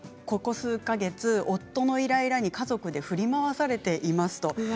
ここ数か月、夫のイライラに家族で振り回されています。